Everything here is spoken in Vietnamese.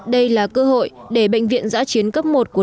đây là cơ hội để bệnh viện giãi chiến cấp một của đội công binh việt nam